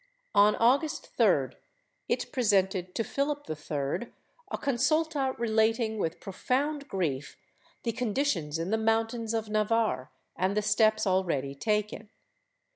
On August 3d it presented to PhiHp III a consulta relating, with profound grief, the conditions in the mountains of Navarre and the steps ah eady taken.